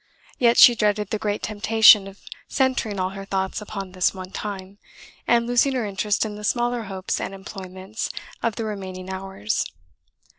Yet she dreaded the great temptation of centring all her thoughts upon this one time, and losing her interest in the smaller hopes and employments of the remaining hours.